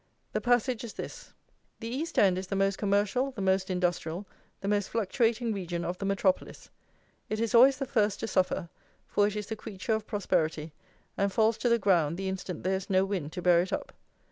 The passage is this: "The East End is the most commercial, the most industrial, the most fluctuating region of the metropolis. It is always the first to suffer; for it is the creature of prosperity, and falls to the ground the instant there is no wind to bear it up.